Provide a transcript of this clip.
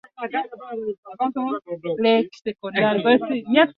na sayansi ya siasa katika chuo kikuu cha Makerere Kampala Uganda Akiwa mwanafunzi Makerere